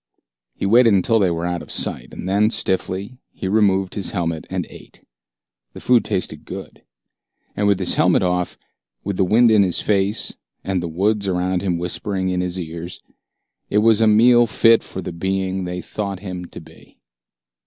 He waited until they were out of sight, and then, stiffly, he removed his helmet and ate. The food tasted good. And with his helmet off, with the wind on his face, and the woods around him whispering in his ears, it was a meal fit for the being they thought him to be.